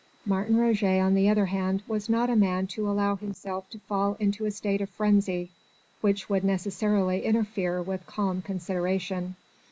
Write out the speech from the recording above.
Martin Roget on the other hand was not the man to allow himself to fall into a state of frenzy, which would necessarily interfere with calm consideration.